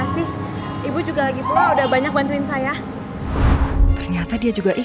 supesanya itu mas